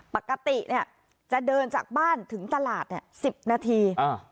ปกติเนี่ยจะเดินจากบ้านถึงตลาดเนี่ย๑๐นาที